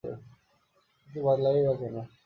কিন্তু বদলাবেই বা কেন।